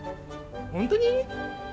本当に？